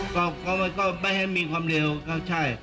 ก็ไม่ให้มีความเร็วก็ใช่